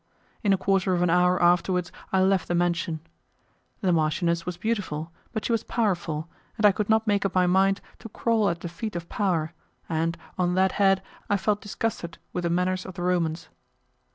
In a quarter of an hour afterwards I left the mansion. The marchioness was beautiful, but she was powerful, and I could not make up my mind to crawl at the feet of power, and, on that head, I felt disgusted with the manners of the Romans.